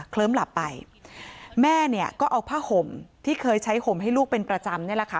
เริ่มหลับไปแม่เนี่ยก็เอาผ้าห่มที่เคยใช้ห่มให้ลูกเป็นประจำนี่แหละค่ะ